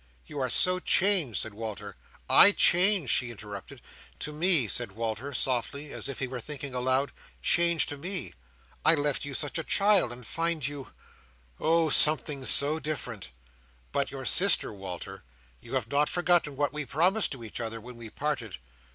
"You are so changed," said Walter— "I changed!" she interrupted. "—To me," said Walter, softly, as if he were thinking aloud, "changed to me. I left you such a child, and find you—oh! something so different—" "But your sister, Walter. You have not forgotten what we promised to each other, when we parted?"